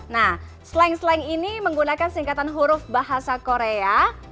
nah slang slang ini menggunakan singkatan huruf bahasa korea